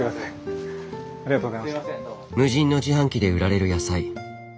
無人の自販機で売られる野菜。